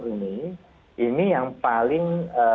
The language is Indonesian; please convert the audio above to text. ini ini yang paling